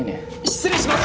失礼します！